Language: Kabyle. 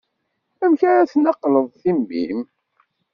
Amek ara tnaqleḍ timmi-m.